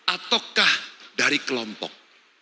ataukah dari kelompok